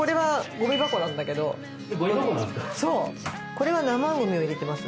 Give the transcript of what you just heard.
これは生ゴミを入れてます